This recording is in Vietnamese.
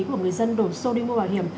của người dân đổ xô đi mua bảo hiểm